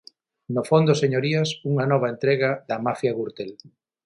No fondo, señorías, unha nova entrega da mafia Gürtel.